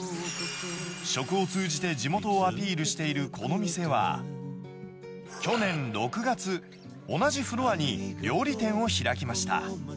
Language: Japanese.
食を通じて地元をアピールしているこの店は、去年６月、同じフロアに料理店を開きました。